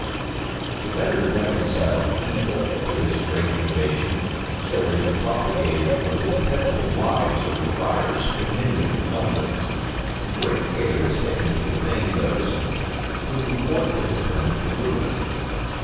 The better to reconcile the people to this great innovation, stories were propagated of the detestable lives of the friars in many of the convents; and great care was taken to defame those whom the court had determined to ruin.